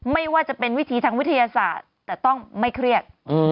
ไม่ว่าจะเป็นวิธีทางวิทยาศาสตร์แต่ต้องไม่เครียด